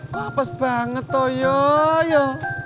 lapas banget tuh yoyo